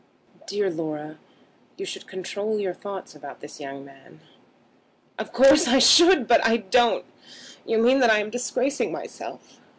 "Dear Laura, you should control your thoughts about this young man." "Of course I should; but I don't. You mean that I am disgracing myself."